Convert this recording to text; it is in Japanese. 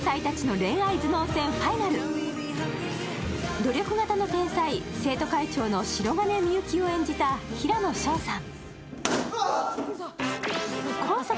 努力型の天才、生徒会長の白銀御行を演じた平野紫耀さん。